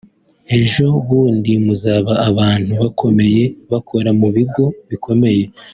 Ejo bundi muzaba abantu bakomeye bakora mu bigo bikomeye